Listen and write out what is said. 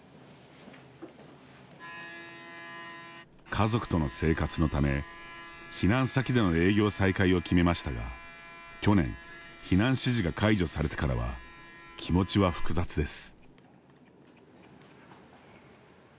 家族との生活のため避難先での営業再開を決めましたが、去年避難指示が解除されてからは気持ちは複雑です。